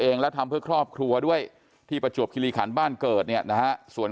เองแล้วทำเพื่อครอบครัวด้วยที่ประจวบคิริขันบ้านเกิดเนี่ยนะฮะส่วน